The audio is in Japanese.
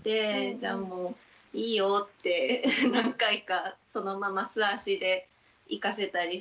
じゃあもういいよって何回かそのまま素足で行かせたりしてました。